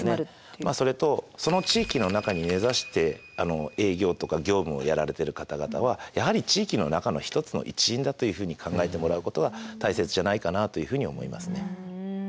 それとその地域の中に根ざして営業とか業務をやられてる方々はやはり地域の中の一つの一員だというふうに考えてもらうことが大切じゃないかなというふうに思いますね。